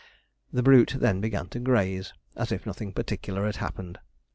The brute then began to graze, as if nothing particular had happened.